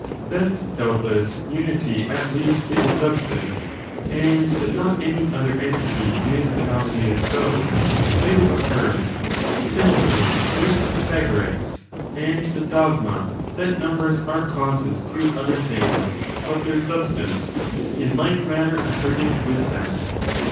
That, doubtless, unity at least is as substance, and that not any other entity is denominated so, Plato affirmed, similarly with the Pythagorics; and the dogma, that numbers are causes to other things of their substance, he in like manner asserted with them.